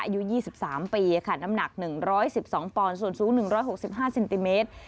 อายุ๒๓ปีค่ะน้ำหนัก๑๑๒ปอนด์ส่วนสูง๑๖๕เซนติเมตร